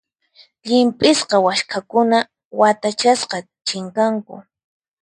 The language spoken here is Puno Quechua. Llimp'isqa waskhakuna watachasqa chinkanku.